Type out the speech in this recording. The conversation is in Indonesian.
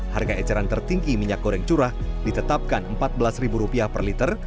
harga eceran tertinggi minyak goreng curah ditetapkan rp empat belas per liter